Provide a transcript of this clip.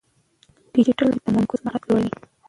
ډیجیټل لوبې د تمرکز مهارت لوړوي.